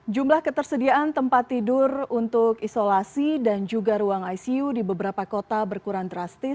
jumlah ketersediaan tempat tidur untuk isolasi dan juga ruang icu di beberapa kota berkurang drastis